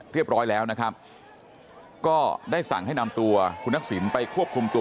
เรียบร้อยแล้วนะครับก็ได้สั่งให้นำตัวคุณทักษิณไปควบคุมตัว